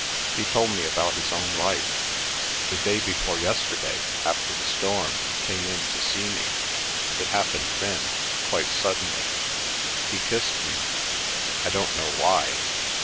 He told me about his own life. The day before yesterday, after the storm, he came in to see me. It happened then, quite suddenly. He kissed me. I don't know why."